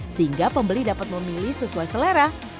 sehingga pembeli dapat memilih sesuai selera